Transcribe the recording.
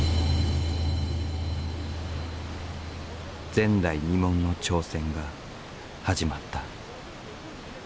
前代未聞の挑戦が始まった。